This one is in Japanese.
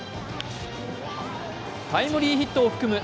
タイムリーヒットを含む